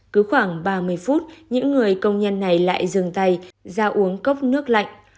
cứ khoảng ba mươi phút những người công nhân này lại dừng tay ra uống cốc nước lạnh